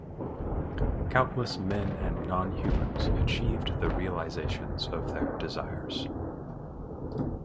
Countless men and non-humans achieved the realisations of their desires.